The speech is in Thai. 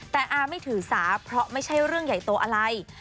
แต่อาไม่ถือสาเพราะไม่ใช่เรื่องใหญ่โตอะไร